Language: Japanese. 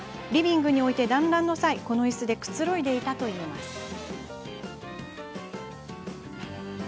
リビングに置いて団らんの際、このいすでくつろいでいたといいます。